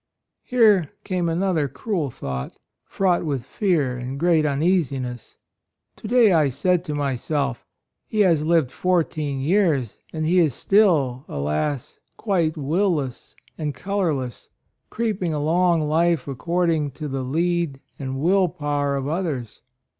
Here came another cruel thought, fraught with fear and great uneasiness. To day I said to myself: 'He has lived fourteen years, and he is still, alas! quite will less and colorless, creeping along life according to the lead and will power of others.'